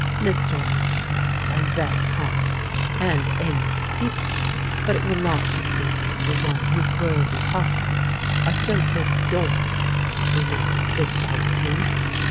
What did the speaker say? Mr. and Mrs. Bennet are very kind and amiable people; but it will not be suitable for one whose worldly prospects are so good as yours, to remain in this solitude.